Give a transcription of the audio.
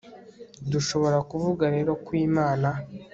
dushobora kuvuga rero ko imana